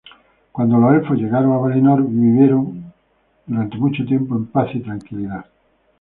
Cuando los elfos llegaron a Valinor, vivieron durante mucho tiempo en paz y tranquilidad.